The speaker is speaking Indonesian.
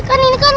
kayu itu keras